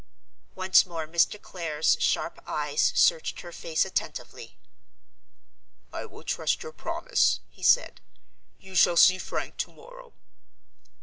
Once more Mr. Clare's sharp eyes searched her face attentively. "I will trust your promise," he said. "You shall see Frank to morrow."